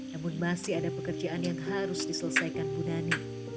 namun masih ada pekerjaan yang harus diselesaikan bunda nih